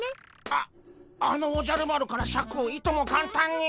ああのおじゃる丸からシャクをいともかんたんに。